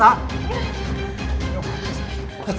udah salah ada